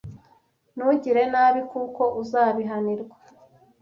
ntugire nabi kuko uzabihanirwa